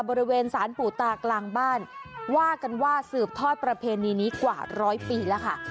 บริเวณสารปู่ตากลางบ้านว่ากันว่าสืบทอดประเพณีนี้กว่าร้อยปีแล้วค่ะ